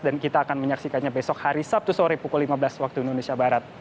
dan kita akan menyaksikannya besok hari sabtu sore pukul lima belas waktu indonesia barat